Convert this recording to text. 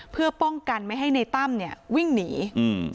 เพื่อป้องกันไม่ให้ในตั้มเนี่ยวิ่งหนีอืม